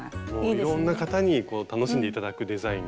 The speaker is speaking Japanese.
いろんな方に楽しんで頂くデザインに。